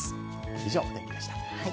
以上、お天気でした。